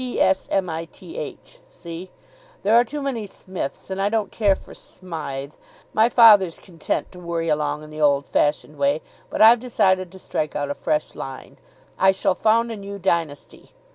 P s m i t h. See? There are too many Smiths, and I don't care for Smythe. My father's content to worry along in the old fashioned way, but I've decided to strike out a fresh line. I shall found a new dynasty.